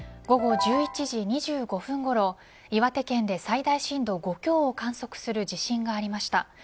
午後１１時２５分ごろ岩手県で最大震度５強を観測する地震がありました。